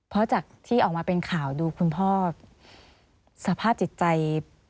เพราะจากที่ออกมาเป็นข่าวดูคุณพ่อสภาพจิตใจ